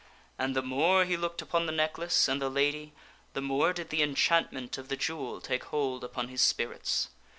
And the more that he looked upon the necklace and the lady the more did the enchantment of the jewel take hold upon his spirits.